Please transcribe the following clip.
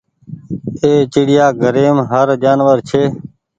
اي چڙيا گهريم هر جآنور ڇي۔